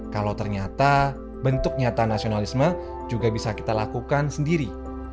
kalau ternyata bentuk nyata nasionalisme juga bisa kita lakukan sendiri